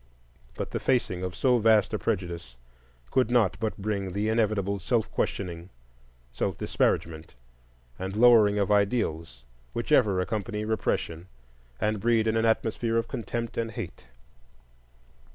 But the facing of so vast a prejudice could not but bring the inevitable self questioning, self disparagement, and lowering of ideals which ever accompany repression and breed in an atmosphere of contempt and hate.